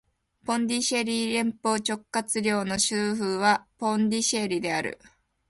ポンディシェリ連邦直轄領の首府はポンディシェリである